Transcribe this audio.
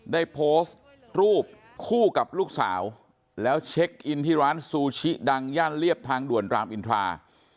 ได้โพสต์รูปคู่กับลูกสาวแล้วเช็คอินที่ร้านซูชิดังย่านเรียบทางด่วนรามอินทรา